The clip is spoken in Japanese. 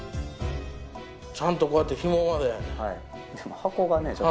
ちゃんとこうやってひもまで。